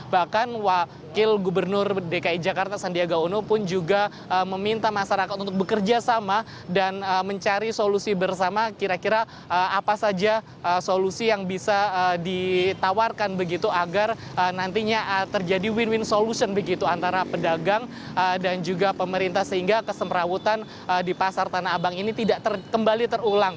bahkan wakil gubernur dki jakarta sandiaga uno pun juga meminta masyarakat untuk bekerja sama dan mencari solusi bersama kira kira apa saja solusi yang bisa ditawarkan begitu agar nantinya terjadi win win solution begitu antara pedagang dan juga pemerintah sehingga kesemrawutan di pasar tanah abang ini tidak kembali terulang